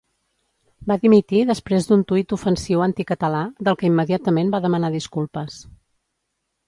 Va dimitir després d'un tuit ofensiu anticatalà, del que immediatament va demanar disculpes.